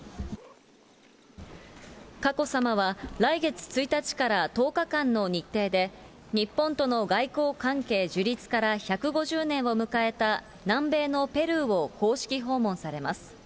佳子さまは、来月１日から１０日間の日程で、日本との外交関係樹立から１５０年を迎えた南米のペルーを公式訪問されます。